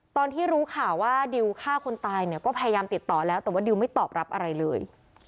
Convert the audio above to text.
ตอนที่รู้ข่าวว่าดิวฆ่าคนตายเนี่ยก็พยายามติดต่อแล้วแต่ว่าดิวไม่ตอบรับอะไรเลย